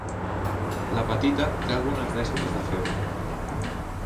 La petita té algunes dècimes de febre.